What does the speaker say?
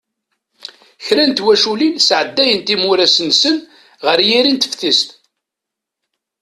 Kra n twaculin sεeddayent imuras-nsen ɣer yiri n teftist.